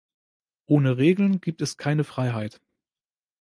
Ohne Regeln gibt es keine Freiheit.